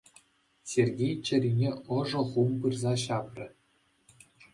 Сергей чӗрине ӑшӑ хум пырса ҫапрӗ.